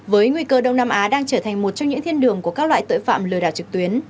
với nguy cơ đông nam á đang trở thành một trong những thiên đường của các loại tội phạm lừa đảo trực tuyến